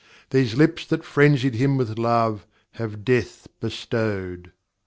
These lips that frenzied him with love Have death bestowed.